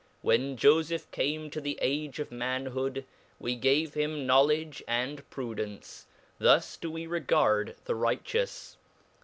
• when fofeph came to the age of manhood, we gave him know ledge and prudence; thus do we reward the righteous.